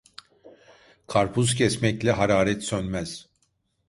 Karpuz kesmekle hararet sönmez.